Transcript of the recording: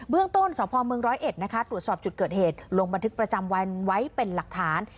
ต้นสพเมืองร้อยเอ็ดนะคะตรวจสอบจุดเกิดเหตุลงบันทึกประจำวันไว้เป็นหลักฐาน